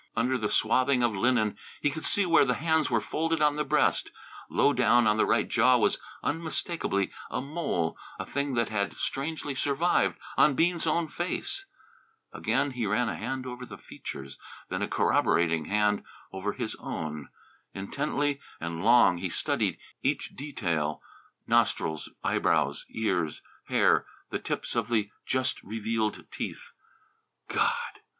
Under the swathing of linen he could see where the hands were folded on the breast. Low down on the right jaw was unmistakably a mole, a thing that had strangely survived on Bean's own face. Again he ran a hand over the features, then a corroborating hand over his own. Intently and long he studied each detail, nostrils, eyebrows, ears, hair, the tips of the just revealed teeth. "God!"